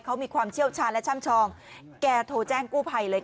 เขามีความเชี่ยวชาญและช่ำชองแกโทรแจ้งกู้ภัยเลย